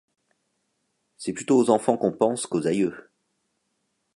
C'est plutôt aux enfants qu'on pense qu'aux aïeux.